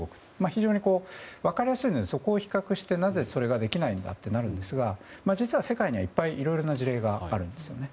非常に分かりやすいのでそこを比較してなぜそれができないんだとなるんですが実は、世界にはいっぱいいろいろな事例があるんですね。